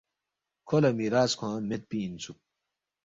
کھو لہ میراث کھوانگ میدپی اِنسُوک